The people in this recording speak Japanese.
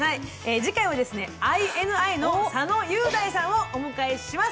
次回はＩＮＩの佐野雄大さんをお迎えします。